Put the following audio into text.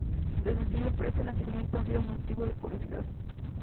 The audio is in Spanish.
Desde siempre este nacimiento ha sido motivo de curiosidad.